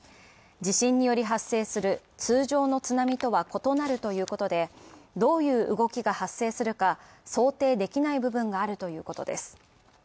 地震により発生する通常の津波とは異なるということで、どういう動きが発生するか想定できない部分があるということです。